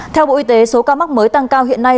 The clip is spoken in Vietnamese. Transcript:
theo bộ y tế số ca mắc mới tăng cao hiện nay